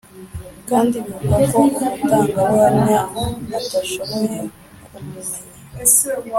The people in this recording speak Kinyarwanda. kandi bivugwa ko umutangabuhamya atashoboye kumumenya